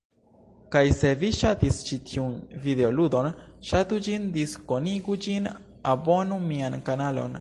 Kaj se vi ŝatis ĉi tiun videoludon, ŝatu ĝin, diskonigu ĝin, abonu mian kanalon.